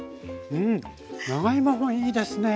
うん長芋もいいですね。